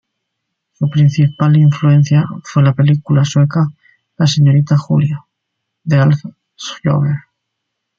Su principal influencia fue la película sueca "La señorita Julia" de Alf Sjöberg.